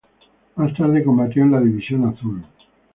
Más tarde combatió en la División Azul.